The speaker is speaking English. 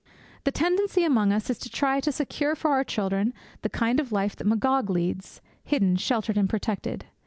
The tendency among us is to try to secure for our children the kind of life that Magog leads, hidden, sheltered, and protected.